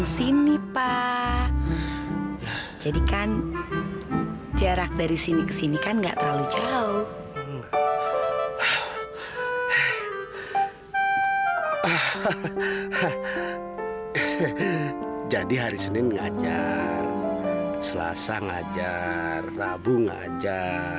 sampai jumpa di video selanjutnya